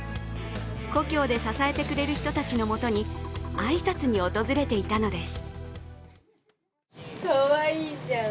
故郷で支えてくれる人たちのもとに挨拶に訪れていたのです。